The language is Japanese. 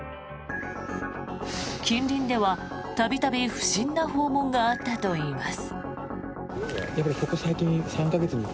近隣では度々不審な訪問があったといいます。